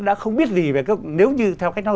đã không biết gì nếu như theo cách nói